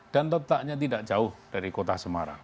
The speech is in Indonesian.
dan totalnya tidak jauh dari kota semarang